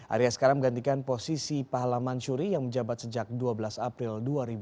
ari askara menggantikan posisi pahala mansyuri yang menjabat sejak dua belas april dua ribu tujuh belas